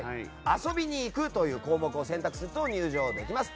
遊びに行くという項目を選択すると入場できます。